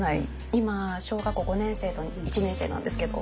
今小学校５年生と１年生なんですけど。